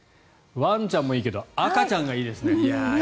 ワンちゃんもいいけど赤ちゃんがいいですね。